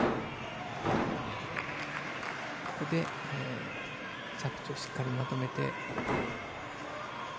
ここで着地をしっかりまとめて。